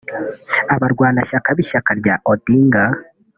Abarwanashyaka b’ishyaka rya Odinga